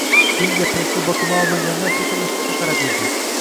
Keyin gapirishga botinolmaganidan sekin eshikka qarab yurdi